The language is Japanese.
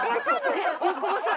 大久保さん。